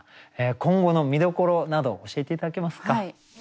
今後の見どころなど教えて頂けますか。